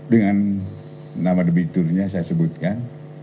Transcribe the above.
dengan nama debiturnya saya sebutkan